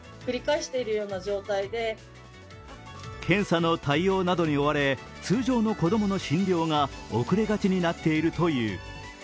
検査の対応などに追われ通常の子供の診療が遅れがちになっているという。